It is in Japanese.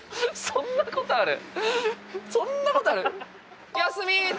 そんなことある⁉